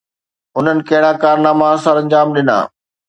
انهن ڪهڙا ڪارناما سرانجام ڏنا؟